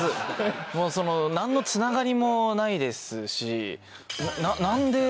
何の繋がりもないですし。